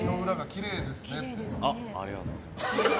ありがとうございます。